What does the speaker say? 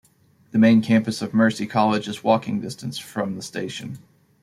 The main campus of Mercy College is walking distance from the station.